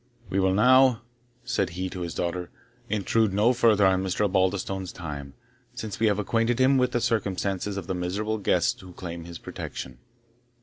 "We will now," said he to his daughter, "intrude no farther on Mr. Osbaldistone's time, since we have acquainted him with the circumstances of the miserable guests who claim his protection."